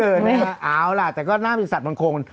เอาล่ะแต่ก็น่าเบตรสัตว์มัมโคง